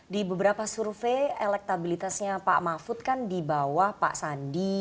di beberapa survei elektabilitasnya pak mahfud kan di bawah pak sandi